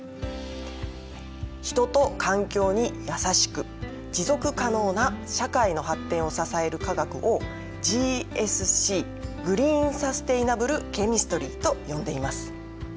人と環境にやさしく持続可能な社会の発展を支える化学をＧＳＣグリーン・サステイナブルケミストリーと呼んでいます。